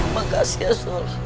makasih ya sur